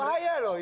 ini berbahaya loh